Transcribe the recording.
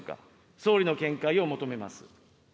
総理の見解を求めます。